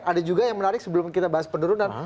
ada juga yang menarik sebelum kita bahas penurunan